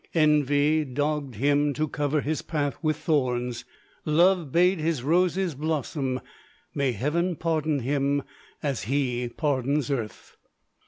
Envy dogged him to cover his path with thorns, Love bade his roses blossom; May Heaven pardon him As he pardons earth!"